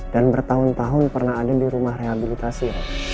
dan bertahun tahun pernah ada di rumah rehabilitasi